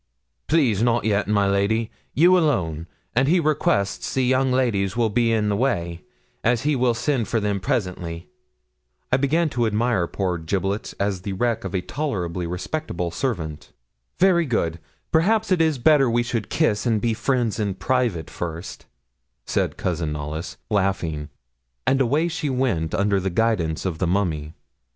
'Please, not yet, my lady you alone; and he requests the young ladies will be in the way, as he will send for them presently.' I began to admire poor 'Giblets' as the wreck of a tolerably respectable servant. 'Very good; perhaps it is better we should kiss and be friends in private first,' said Cousin Knollys, laughing; and away she went under the guidance of the mummy.